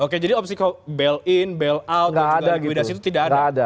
oke jadi opsi bail in bail out dan juga leguidas itu tidak ada